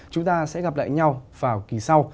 chúng ta sẽ gặp lại nhau vào kỳ sau